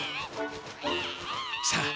さあ